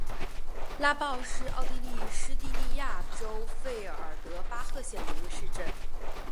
拉鲍是奥地利施蒂利亚州费尔德巴赫县的一个市镇。